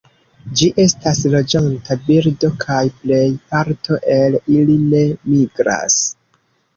Ĝi estas loĝanta birdo kaj plej parto el ili ne migras.